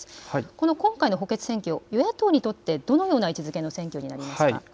この今回の補欠選挙は与野党にとってどのような位置づけの選挙になりますか。